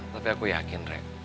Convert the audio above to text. tapi aku yakin rek